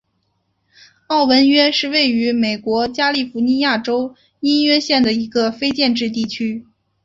奥文约是位于美国加利福尼亚州因约县的一个非建制地区。